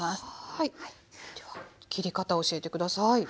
はいでは切り方教えて下さい。